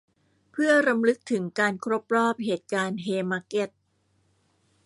เพื่อรำลึกถึงการครบรอบเหตุการณ์เฮย์มาร์เก็ต